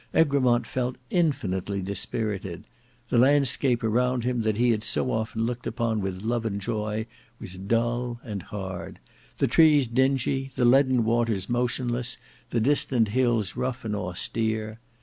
Egremont felt infinitely dispirited. The landscape around him that he had so often looked upon with love and joy, was dull and hard; the trees dingy, the leaden waters motionless, the distant hills rough and austere.